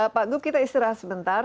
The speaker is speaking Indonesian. pak gup kita istirahat sebentar